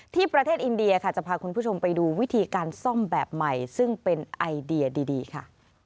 ที่ประเทศอินเดียค่ะจะพาคุณผู้ชมไปดูวิธีการซ่อมแบบใหม่ซึ่งเป็นไอเดียดีค่ะ